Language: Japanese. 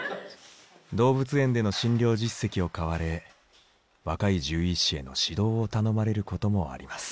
動物園での診療実績を買われ若い獣医師への指導を頼まれることもあります。